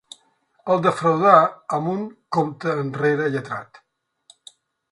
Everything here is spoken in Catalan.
El defraudà amb un compte enrere lletrat.